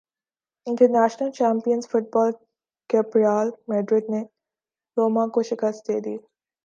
international champions football cup Real Madrid نے روما کو شکست دیدی